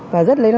và rất là